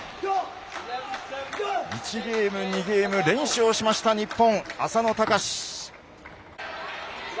１ゲーム２ゲーム連勝しました、日本。